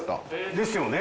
ですよね。